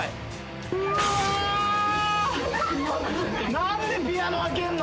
何でピアノ開けんの！？